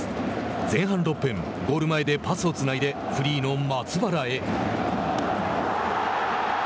前半６分ゴール前でパスをつないでフリーの松原へ。